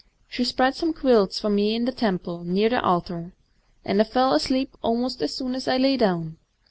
She spread some quilts for me in the temple, near the altar; and I fell asleep almost as soon as I lay down.